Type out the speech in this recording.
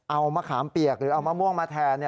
เอามะขามเปียกหรือเอามะม่วงมาแทน